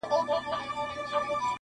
خو لکه سیوری بې اختیاره ځمه -